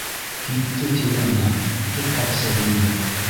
- Китте ти ана, тот ҡапсығыңды.